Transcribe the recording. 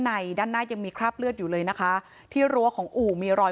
ด้านหน้ายังมีคราบเลือดอยู่เลยนะคะที่รั้วของอู่มีรอย